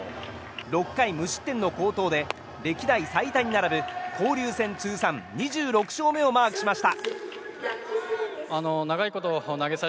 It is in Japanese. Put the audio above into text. ６回無失点の好投で歴代最多に並ぶ、交流戦通算２６勝目をマークしました。